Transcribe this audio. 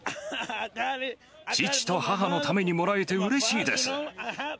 父と母のためにもらえてうれしいです。